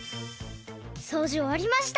そうじおわりました。